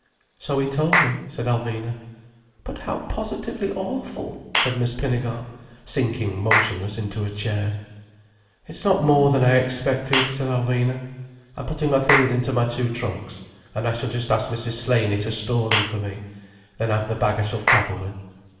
"So he told me," said Alvina. "But how positively awful," said Miss Pinnegar, sinking motionless into a chair. "It's not more than I expected," said Alvina. "I'm putting my things into my two trunks, and I shall just ask Mrs. Slaney to store them for me. Then I've the bag I shall travel with."